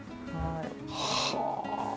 はあ！